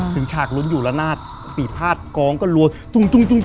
ถึงฉากลุ้นอยู่แล้วหน้าปีภาพกองก็ลวน